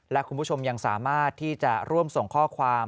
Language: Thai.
และคุณผู้ชมยังสามารถที่จะร่วมส่งข้อความ